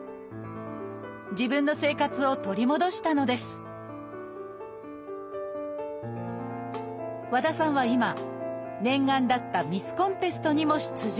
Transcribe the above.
自分の生活を取り戻したのです和田さんは今念願だったミスコンテストにも出場。